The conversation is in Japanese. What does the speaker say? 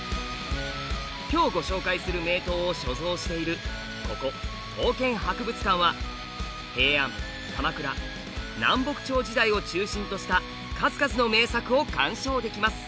今日ご紹介する名刀を所蔵しているここ刀剣博物館は平安・鎌倉・南北朝時代を中心とした数々の名作を鑑賞できます。